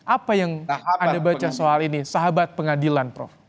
apa yang anda baca soal ini sahabat pengadilan prof